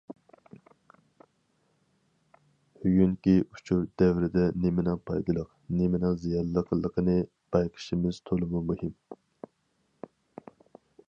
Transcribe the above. بۈگۈنكى ئۇچۇر دەۋرىدە نېمىنىڭ پايدىلىق، نېمىنىڭ زىيانلىقلىقىنى بايقىشىمىز تولىمۇ مۇھىم.